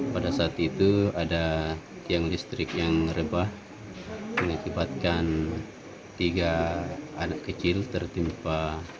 pada saat itu ada tiang listrik yang rebah mengakibatkan tiga anak kecil tertimpa